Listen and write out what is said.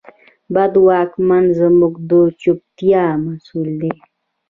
بد واکمن زموږ د چوپتیا محصول دی.